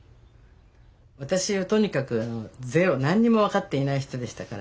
私はとにかくゼロ何にも分かっていない人でしたから。